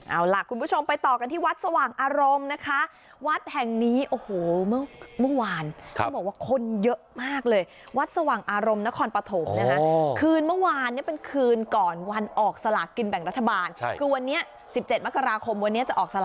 เอาละคุณผู้ชมไปต่อกันที่วัดสว่างอารมณ์นะคะวัดแห่งนี้โอ้โหเมื่อวาน